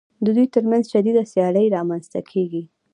د دوی ترمنځ شدیده سیالي رامنځته کېږي